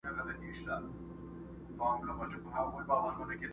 پاچا مړ وو دوى وه خلك رابللي!.